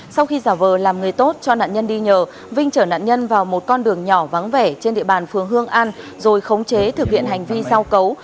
sau khi giả vờ làm người tốt cho nạn nhân đi nhờ vinh chở nạn nhân vào một con đường nhỏ vắng vẻ trên địa bàn phường hương an rồi khống chế thực hiện hành vi giao cấu